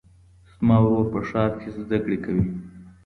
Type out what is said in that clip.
زما ورور په ښار کې زده کړې کوي.